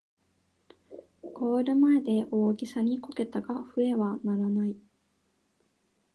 ゴール前で大げさにこけたが笛は鳴らない